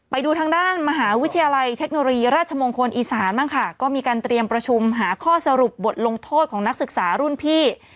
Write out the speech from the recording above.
ไปดูทางด้านมหาวิทยาลัยเทคโนโลยีราชมงคลอีสานบ้างค่ะก็มีการเตรียมประชุมหาข้อสรุปบทลงโทษของนักศึกษารุ่นพี่